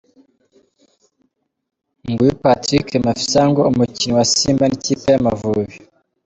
Nguyu Patrick Mafisango umukinnyi wa Simba n'ikipe y'Amavubi.